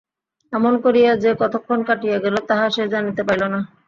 এমন করিয়া যে কতক্ষণ কাটিয়া গেল তাহা সে জানিতে পারিল না।